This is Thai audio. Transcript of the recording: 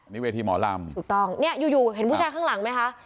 นี่เวทีหมอลำถูกต้องเนี่ยอยู่อยู่เห็นผู้ชายข้างหลังไหมคะ